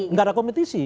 tidak ada kompetisi